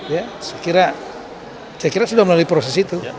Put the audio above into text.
ya saya kira sudah melalui proses itu